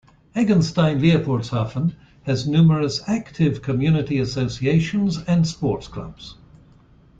Eggenstein-Leopoldshafen has numerous active community associations and sports clubs.